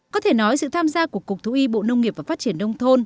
có thể nói sự tham gia của cục thú y bộ nông nghiệp và phát triển nông thôn